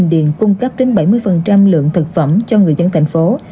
bình điền cung cấp đến bảy mươi lượng thực phẩm cho người dân thành phố